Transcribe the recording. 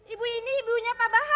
ibu ini ibunya pak baha